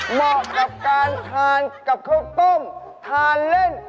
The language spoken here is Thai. เหมาะกับการทานกับข้าวต้มทานเล่น